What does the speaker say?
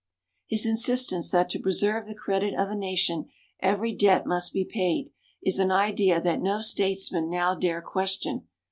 His insistence that to preserve the credit of a nation every debt must be paid, is an idea that no statesman now dare question.